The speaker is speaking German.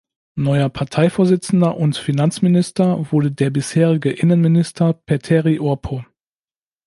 Neuer Parteivorsitzender und Finanzminister wurde der bisherige Innenminister Petteri Orpo.